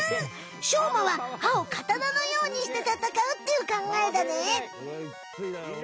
しょうまは歯をカタナのようにしてたたかうっていうかんがえだね。